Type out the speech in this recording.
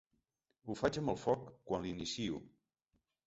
Ho faig amb el foc quan l'inicio.